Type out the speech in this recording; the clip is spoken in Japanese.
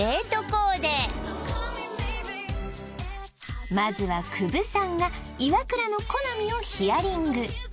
コーデまずはＫｕｂｕさんがイワクラの好みをヒアリング